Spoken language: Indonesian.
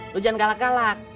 lu jangan galak galak